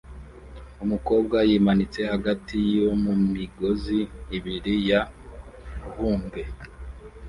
Umukobwa yimanitse hagati mumigozi ibiri ya bungee